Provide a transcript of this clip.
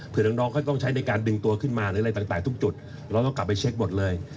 เพื่อน้องเขาต้องใช้ในการดึงตัวขึ้นมาหรืออะไรต่างทุกจุดเราต้องกลับไปเช็คหมดเลย